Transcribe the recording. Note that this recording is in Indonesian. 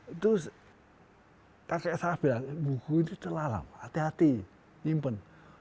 itu kakek saya bilang buku ini telah lama hati hati simpan